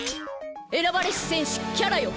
選ばれし戦士キャラよ！